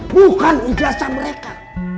bukan ijazah mereka